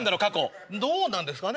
どうなんですかね？